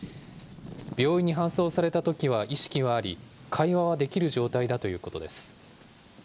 病院に搬送されたときは意識はあり、会話はできる状態だということです。